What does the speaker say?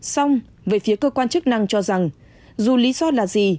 xong về phía cơ quan chức năng cho rằng dù lý do là gì